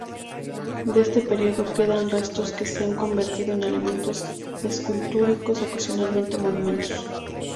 De este periodo quedan restos que se han convertido en elementos escultóricos, ocasionalmente monumentos.